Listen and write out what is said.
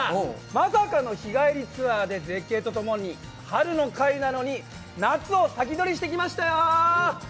まさかの日帰りツアーで絶景とともに春の会なのに、夏を先取りしてきましたよ。